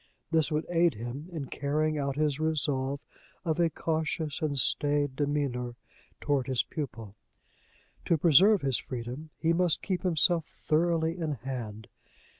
This would aid him in carrying out his resolve of a cautious and staid demeanor toward his pupil. To preserve his freedom, he must keep himself thoroughly in hand.